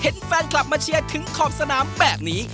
เห็นแฟนคลับมาเชียร์ถึงขอบสนามแบบนี้